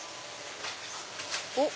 おっ！